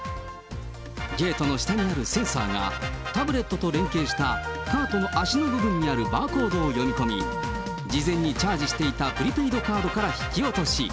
ゲートの下にあるセンサーが、タブレットと連携したカートの足の部分にあるバーコードを読み込み、事前にチャージしていたプリペイドカードから引き落とし。